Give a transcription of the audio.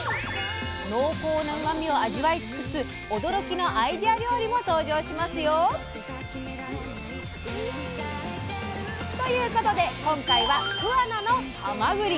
濃厚なうまみを味わい尽くす驚きのアイデア料理も登場しますよ。ということで今回は桑名のはまぐり！